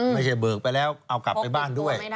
เบิกไปแล้วเอากลับไปบ้านด้วย